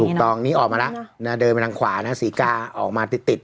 ถูกต้องนี่ออกมาแล้วนะเดินไปทางขวานะศรีกาออกมาติดติด